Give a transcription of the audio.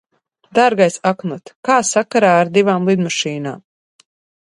Dārgais Aknot, kā sakarā ar divām lidmašīnām?